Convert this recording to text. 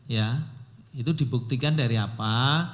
ya itu dibuktikan dari apa